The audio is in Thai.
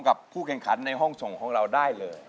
กับผู้แข่งขันในห้องส่งของเราได้เลย